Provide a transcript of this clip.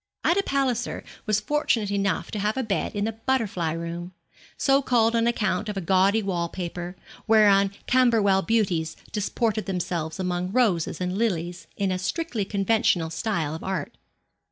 Ida Palliser was fortunate enough to have a bed in the butterfly room, so called on account of a gaudy wall paper, whereon Camberwell Beauties disported themselves among roses and lilies in a strictly conventional style of art.